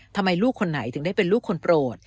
ทำไมลูกคนไหนถึงได้เป็นลูกคนโปรด